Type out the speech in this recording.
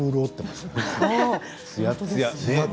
つやつや。